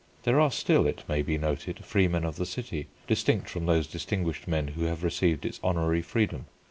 There are still, it may be noted, freemen of the city, distinct from those distinguished men who have received its honorary freedom.